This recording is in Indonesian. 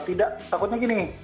tidak takutnya gini